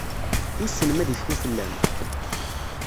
Wissen ma ad icfu fell-am?